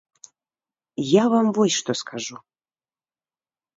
Я вам вось што скажу.